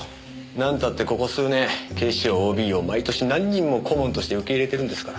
なんたってここ数年警視庁ＯＢを毎年何人も顧問として受け入れてるんですから。